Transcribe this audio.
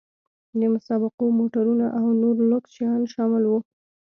د مسابقو موټرونه او نور لوکس شیان شامل وو.